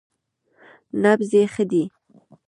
_نبض يې ښه دی.